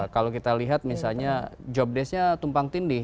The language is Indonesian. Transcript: kalau kita lihat misalnya jobdesknya tumpang tindih